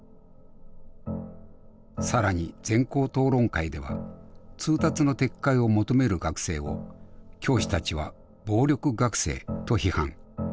更に全校討論会では通達の撤回を求める学生を教師たちは暴力学生と批判。